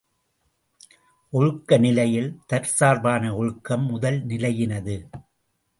ஒழுக்க நிலையில், தற்சார்பான ஒழுக்கம் முதல் நிலையினது.